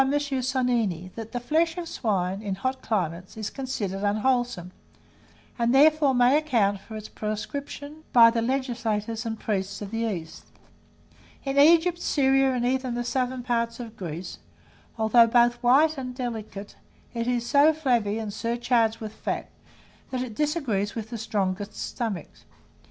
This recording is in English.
Sonini, that the flesh of swine, in hot climates, is considered unwholesome, and therefore may account for its proscription by the legislators and priests of the East. In Egypt, Syria, and even the southern parts of Greece, although both white and delicate, it is so flabby and surcharged with fat, that it disagrees with the strongest stomachs.